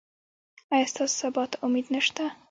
ایا ستاسو سبا ته امید نشته؟